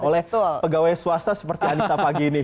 oleh pegawai swasta seperti anissa pagini